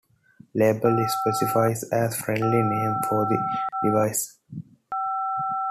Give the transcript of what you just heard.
Label specifies a friendly name for the device.